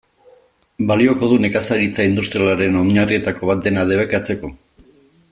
Balioko du nekazaritza industrialaren oinarrietako bat dena debekatzeko?